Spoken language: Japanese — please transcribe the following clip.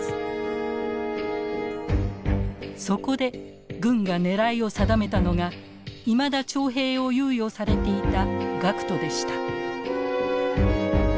そこで軍が狙いを定めたのがいまだ徴兵を猶予されていた学徒でした。